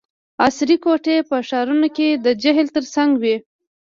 عصري کوټي په ښارونو کې د جهیل ترڅنګ وي